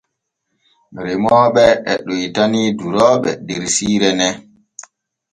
Remooɓe e ɗoytani durooɓe der siire nee.